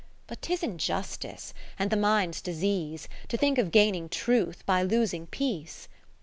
But 'tis injustice, and the mind's disease. To think of gaining Truth by losing Peace.